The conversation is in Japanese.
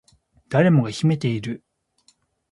誰もが秘めている